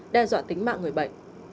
đe dọa tính mạng người bệnh